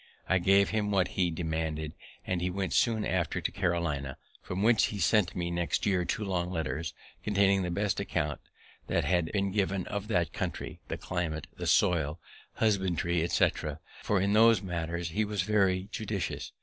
I gave him what he demanded, and he went soon after to Carolina, from whence he sent me next year two long letters, containing the best account that had been given of that country, the climate, the soil, husbandry, etc., for in those matters he was very judicious.